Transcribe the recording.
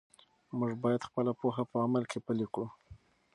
موږ باید خپله پوهه په عمل کې پلی کړو.